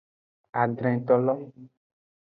Adretolo.